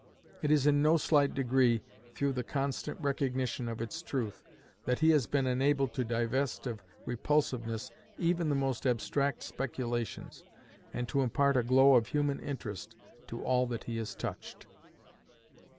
It is in no slight degree through the constant recognition of its truth, that he has been enabled to divest of repulsiveness even the most abstract speculations, and to impart a glow of human interest to all that he has touched.